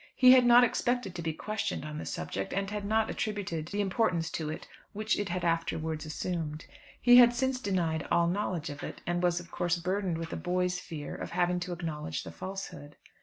He had not expected to be questioned on the subject, and had not attributed the importance to it which it had afterwards assumed. He had since denied all knowledge of it, and was of course burdened with a boy's fear of having to acknowledge the falsehood.